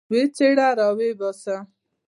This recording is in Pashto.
ويې څيره راويې باسه.